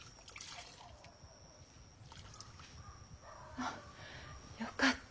あっよかった。